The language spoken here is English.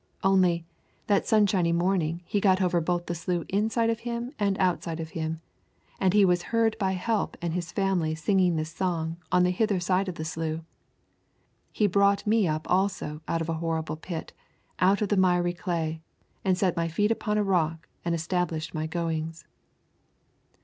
Only, that sunshiny morning he got over both the slough inside of him and outside of him, and was heard by Help and his family singing this song on the hither side of the slough: 'He brought me up also out of an horrible pit, out of the miry clay, and set my feet upon a rock, and established my goings.'